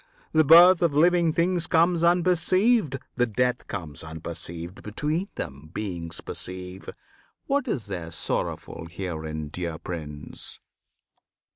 The birth Of living things comes unperceived; the death Comes unperceived; between them, beings perceive: What is there sorrowful herein, dear Prince?